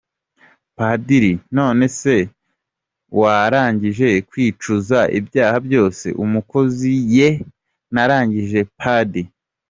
Padiri :"None se warangije kwicuza ibyaha byose ???" Umukozi: "Yeee , narangije Padi .